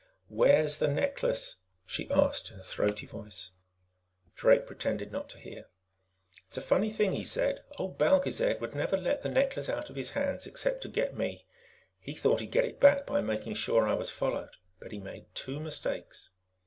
"Where is the necklace?" she asked in a throaty voice. Drake pretended not to hear her. "It's a funny thing," he said. "Old Belgezad would never let the necklace out of his hands except to get me. He thought he'd get it back by making sure I was followed. But he made two mistakes."